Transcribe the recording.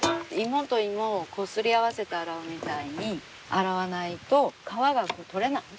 芋と芋をこすり合わせて洗うみたいに洗わないと皮が取れない。